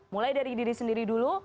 mulai dari diri sendiri dulu